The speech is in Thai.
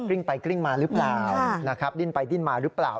กริ้งไปกริ้งมาหรือเปล่าดิ้นไปดิ้นมาหรือเปล่า